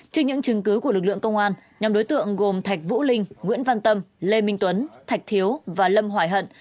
trước những chứng cứ của lực lượng công an nhóm đối tượng gồm thạch vũ linh nguyễn văn tâm lê minh tuấn thạch thiếu và lâm hoài hận